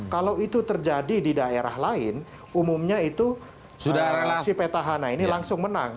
kalau itu terjadi di daerah lain umumnya itu si petahana ini langsung menang